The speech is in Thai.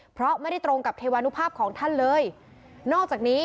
เพราะไม่ได้ตรงกับเทวานุภาพของท่านเลยนอกจากนี้